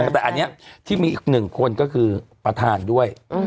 แต่อันนี้ที่มีอีกหนึ่งคนก็คือประธานด้วย